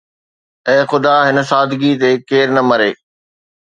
اي خدا هن سادگي تي ڪير نه مري.